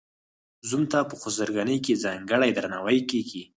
زوم ته په خسرګنۍ کې ځانګړی درناوی کیږي.